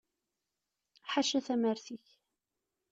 Ḥaca tamart ik.